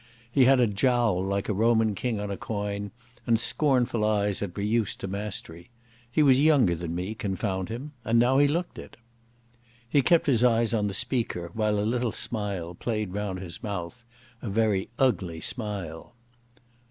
He had a jowl like a Roman king on a coin, and scornful eyes that were used to mastery. He was younger than me, confound him, and now he looked it. He kept his eyes on the speaker, while a smile played round his mouth, a very ugly smile.